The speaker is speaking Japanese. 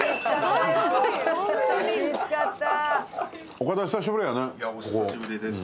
お久しぶりです